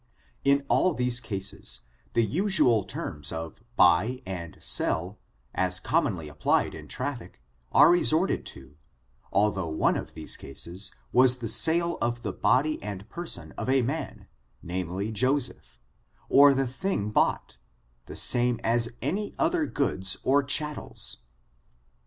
In all thast cases the usual tenns of huy and sell as commonly applied in traffic, are resorted to, although one <^ these cases was the sale of the body and person of a man^ namely, Joseph, or the thing bought, the same as any other goods or chattels.